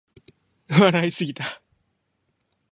笑いすぎた